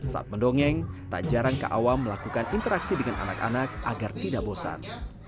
saat mendongeng tak jarang kaawam melakukan interaksi dengan anak anak agar tidak bosan